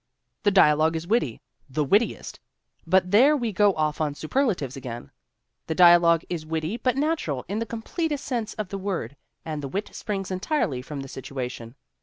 The dialogue is witty the wittiest but there we go off on superlatives again. The dialogue is witty but natural in the completest sense of the word and the wit springs entirely from the situation.